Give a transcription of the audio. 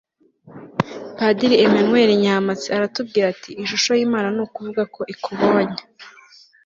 padiri emmanuel nyampatsi aratubwira ati ishusho y'imana ni ukuvuga ko ukubonye